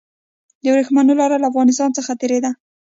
د ورېښمو لاره له افغانستان څخه تیریده